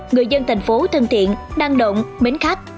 người dân thành phố thân thiện năng động mến khách